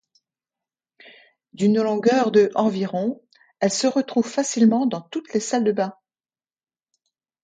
D'une longueur de environ, elles se retrouvent facilement dans toutes les salles de bains.